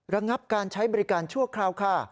ระงับการใช้บริการชั่วคราวค่ะ